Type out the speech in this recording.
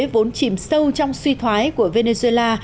vốn chìm sâu trong suy thoái của venezuela